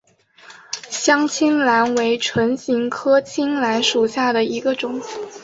香青兰为唇形科青兰属下的一个种。